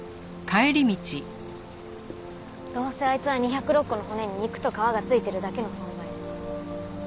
どうせあいつは２０６個の骨に肉と皮がついてるだけの存在。